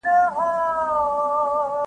پلار مي کار کوي.